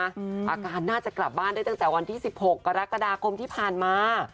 อาการน่าจะกลับบ้านได้ตั้งแต่วันที่๑๖กรกฎาคมที่ผ่านมา